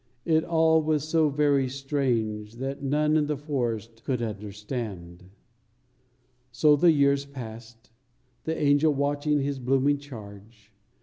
It all was so very strange that none in the forest could understand. So the years passed, the angel watching his blooming charge.